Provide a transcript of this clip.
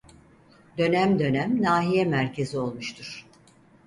Dönem dönem nahiye merkezi olmuştur.